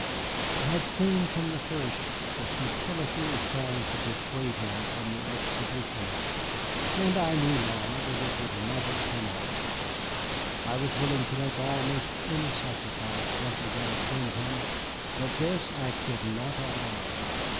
I had seen from the first the futility of trying to dissuade him from the expedition, and I knew now that it would never come off. I was willing to make almost any sacrifice rather than offend him, but this I could not allow.